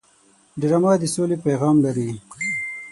ډرامه د سولې پیغام لري